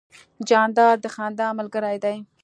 جانداد د خندا ملګری دی.